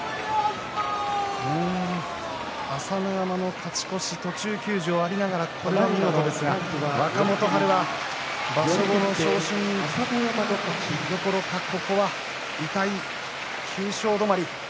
朝乃山の勝ち越し途中休場ありながらこれは見事ですが若元春は場所後の昇進どころか痛い９勝止まり。